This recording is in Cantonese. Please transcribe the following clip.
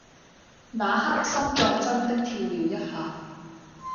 那刻心臟真的跳了一下